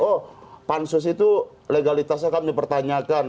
oh pansus itu legalitasnya kami pertanyakan